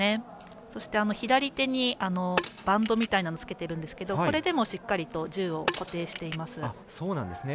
そして、左手にバンドみたいなのをつけてるんですけどこれでもしっかりと銃を固定しています。